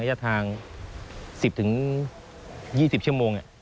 ที่จะทาง๑๐ถึง๒๐ชั่วโมง